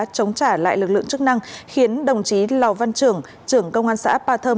chống trả lại lực lượng chức năng khiến đồng chí lào văn trưởng trưởng công an xã appa thơm